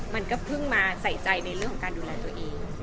มันก็เพิ่งมาใส่ใจในเรื่องของการดูแลตัวเอง